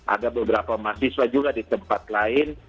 ada beberapa mahasiswa juga di tempat lain